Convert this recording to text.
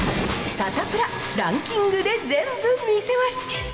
サタプラ、ランキングで全部見せます。